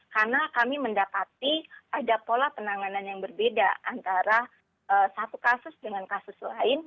karena kami mendapati ada pola penanganan yang berbeda antara satu kasus dengan kasus lain